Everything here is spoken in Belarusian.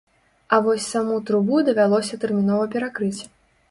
А вось саму трубу давялося тэрмінова перакрыць.